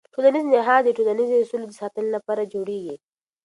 ټولنیز نهاد د ټولنیزو اصولو د ساتنې لپاره جوړېږي.